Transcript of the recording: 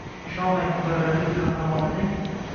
ishonmang muqarrarlik qahramonining